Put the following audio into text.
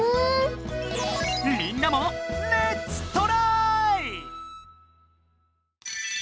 みんなもレッツトラーイ！